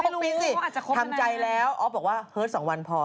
ก็ไม่รู้สิทำใจแล้วอ๊อฟบอกว่าเฮิต๒วันพอ